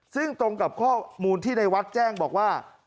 ซึ่งตรงกับข้อมูลที่ในวัดแจ้งบอกว่า